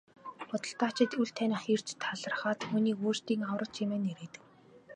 Худалдаачид үл таних эрд талархаад түүнийг өөрсдийн аврагч хэмээн нэрийдэв.